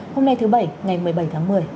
hôm nay thứ bảy ngày một mươi bảy tháng một mươi